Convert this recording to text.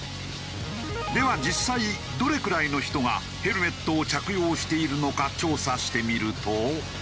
では実際どれくらいの人がヘルメットを着用しているのか調査してみると。